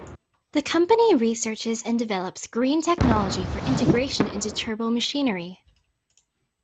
The company researches and develops green technology for integration into turbomachinery.